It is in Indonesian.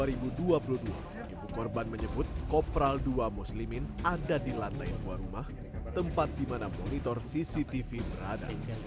ibu korban menyebut kopral ii muslimin ada di lantai dua rumah tempat di mana monitor cctv berada